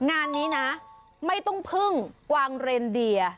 งานนี้นะไม่ต้องพึ่งกวางเรนเดีย